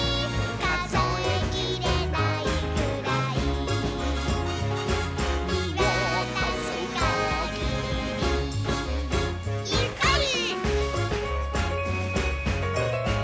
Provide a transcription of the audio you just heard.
「かぞえきれないくらいみわたすかぎり」「にっこり」